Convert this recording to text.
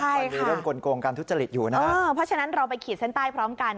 มันมีเรื่องกลงการทุจริตอยู่นะเพราะฉะนั้นเราไปขีดเส้นใต้พร้อมกัน